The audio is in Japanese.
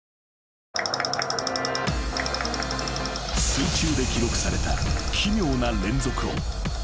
［水中で記録された奇妙な連続音］